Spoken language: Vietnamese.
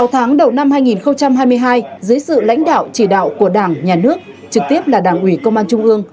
sáu tháng đầu năm hai nghìn hai mươi hai dưới sự lãnh đạo chỉ đạo của đảng nhà nước trực tiếp là đảng ủy công an trung ương